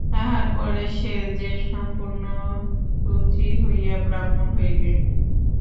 তাহার পরে সে যে সম্পূর্ণ শুচি হইয়া ব্রাহ্মণ হইবে।